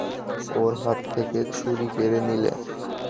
ওর হাত থেকে ছুরি কেড়ে নিলে।